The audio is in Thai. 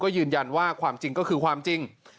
ยืนยันว่าความจริงก็คือความจริง